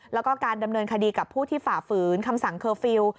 แล้วก็การดำเนินคดีกับผู้ที่ฝ่าฝืนคำสั่งเคอร์ฟิลล์